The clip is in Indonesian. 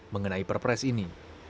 mengenai perpres ini